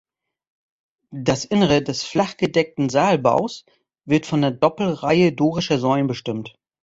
Das Innere des flach gedeckten Saalbaus wird von der Doppelreihe dorischer Säulen bestimmt.